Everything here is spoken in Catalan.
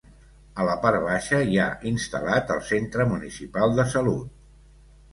A la part baixa hi ha instal·lat el Centre Municipal de Salut.